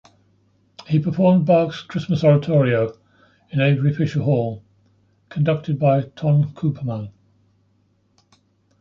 He performed Bach's "Christmas Oratorio" in Avery Fisher Hall, conducted by Ton Koopman.